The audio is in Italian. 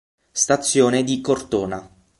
Stazione di Cortona